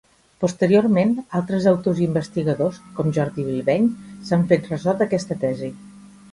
Posteriorment altres autors i investigadors com Jordi Bilbeny s'han fet ressò d'aquesta tesi.